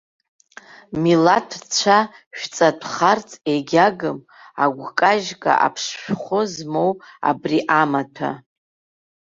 Милаҭтә цәа шәҵатәхарц егьагым агәкажьга аԥшшәхәы змоу абри амаҭәа.